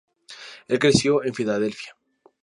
Él creció en Filadelfia.